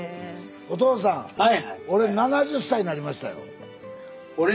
お父さん俺７０歳なりましたよ。